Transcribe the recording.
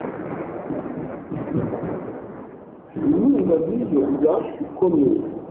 Inkunga nk’iyo iba ikomeye.